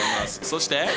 そして。